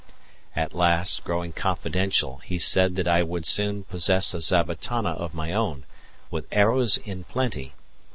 At last, growing confidential, he said that I would soon possess a zabatana of my own, with arrows in plenty.